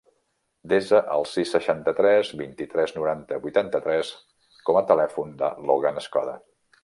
Desa el sis, seixanta-tres, vint-i-tres, noranta, vuitanta-tres com a telèfon del Logan Escoda.